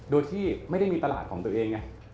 โดยที่ไม่ได้มีตลาดของตัวเองไง